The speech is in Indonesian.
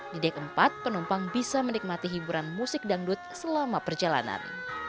di dek empat penumpang bisa menikmati hiburan musik dangdut selama perjalanan